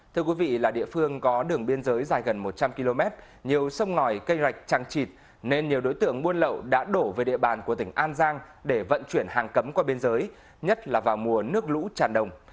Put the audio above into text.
thưa quý vị là địa phương có đường biên giới dài gần một trăm linh km nhiều sông ngòi cây rạch trăng trịt nên nhiều đối tượng buôn lậu đã đổ về địa bàn của tỉnh an giang để vận chuyển hàng cấm qua biên giới nhất là vào mùa nước lũ tràn đồng